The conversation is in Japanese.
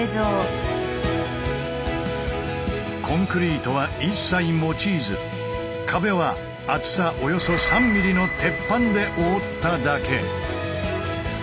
コンクリートは一切用いず壁は厚さおよそ３ｍｍの鉄板で覆っただけ。